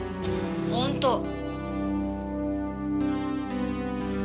ほんと」